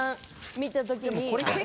見た時に。